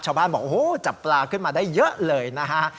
บอกโอ้โหจับปลาขึ้นมาได้เยอะเลยนะฮะ